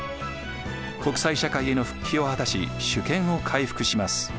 国際社会への復帰を果たし主権を回復します。